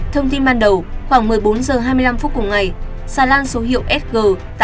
thông tin ban đầu khoảng một mươi bốn h hai mươi năm phút của ngày xà lan số hiệu sg tám nghìn hai trăm năm mươi chín